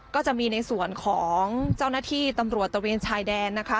ก็จะมีในส่วนของเจ้าหน้าที่ตำรวจตะเวนชายแดนนะคะ